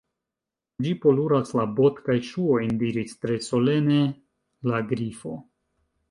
"Ĝi poluras la bot-kaj ŝuojn," diris tre solene la Grifo.